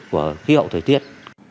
của khí hậu thời tiết